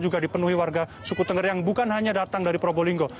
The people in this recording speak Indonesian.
juga dipenuhi warga suku tengger yang bukan hanya datang dari probolinggo